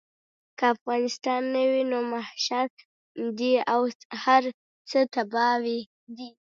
که افغانستان نه وي نو محشر دی او هر څه تباه دي.